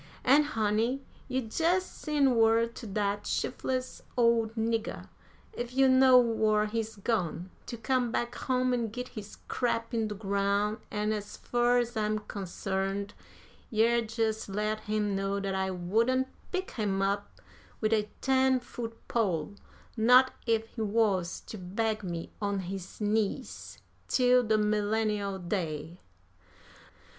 An', honey, you jes' sen' word to dat shif'less old nigger, ef you know whar he's gone, to come back home and git his crap in de groun'; an', as fur as I'm consarned, yer jes' let him know dat I wouldn't pick him up wid a ten foot pole, not ef he wuz to beg me on his knees till de millennial day."